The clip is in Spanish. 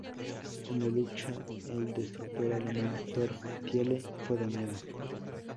En la lucha el destructor alemán "Georg Thiele" fue dañado.